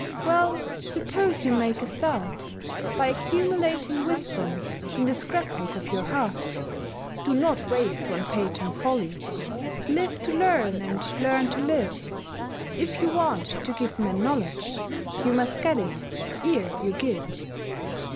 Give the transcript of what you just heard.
Well, suppose you make a start, By accumulating wisdom In the scrapbook of your heart: Do not waste one page on folly; Live to learn, and learn to live. If you want to give men knowledge You must get it, ere you give.